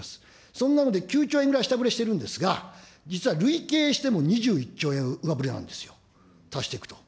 そんなので９兆円ぐらい下振れしてるんですが、実は累計しても２１兆円上振れなんですよ、足していくと。